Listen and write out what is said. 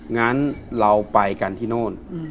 งั้นเราไปกันที่โน่น